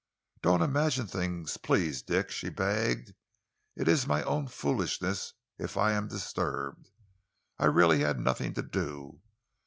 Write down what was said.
"Don't imagine things, please, Dick," she begged. "It is my own foolishness if I am disturbed. I really had nothing to do.